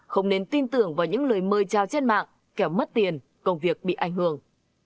không nên tin tưởng vào những lời mời trao trên mạng kẻo mất tiền công việc bị ảnh hưởng